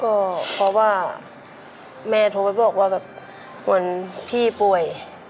ก็เพราะว่าแม่โทรไปบอกว่าแบบเหมือนพี่ป่วย